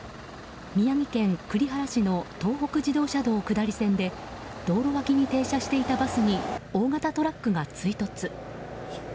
宮城県栗原市の東北自動車道下り線で道路脇に停車していたバスに大型トラックが追突。